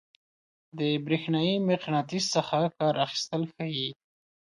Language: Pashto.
د برېښنايي مقناطیس څخه کار اخیستل ښيي.